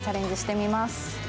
チャレンジしてみます。